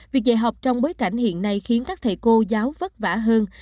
việc dạy học trong bối cảnh hiện nay khiến các thầy cô giáo vất vả hơn